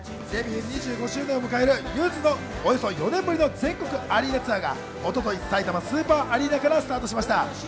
デビュー２５周年を迎えるゆずのおよそ４年ぶりの全国アリーナツアーが一昨日、さいたまスーパーアリーナからスタートしました。